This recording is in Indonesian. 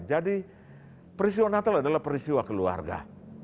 jadi peristiwa natal adalah peristiwa keluarga